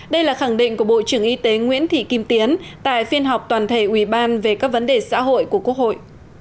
đây là khẳng định của bộ trưởng y tế nguyễn thị kim tiến tại phiên họp toàn thể ủy ban về các vấn đề xã hội của quốc hội